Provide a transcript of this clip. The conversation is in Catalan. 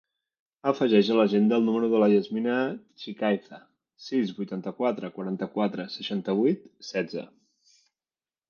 Afegeix a l'agenda el número de la Yasmina Chicaiza: sis, vuitanta-quatre, quaranta-quatre, seixanta-vuit, setze.